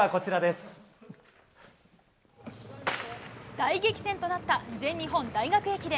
大激戦となった全日本大学駅伝。